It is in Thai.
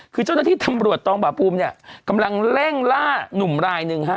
คือเจ้าหน้าที่ตำรวจตองบาภูมิเนี่ยกำลังเร่งล่าหนุ่มรายหนึ่งฮะ